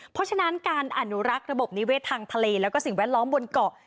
เพราะฉะนั้นการอนุรักษ์ระบบนิเวศทางทะเลแล้วก็สิ่งแวดล้อมบนเกาะ